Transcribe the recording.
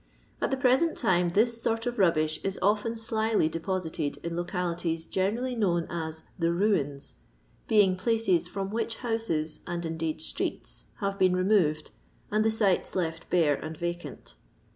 At the present time this sort of rubbish is often slily deposited in localities generally known as " the ruins," being places from which houses, and indeed streets, have been removed, and the sites left bare and vacant.